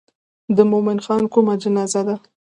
د مومن خان کومه جنازه ده.